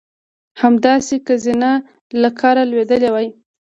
همداسې که زینه له کاره لوېدلې وای.